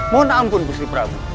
mohon ampun pusri prabu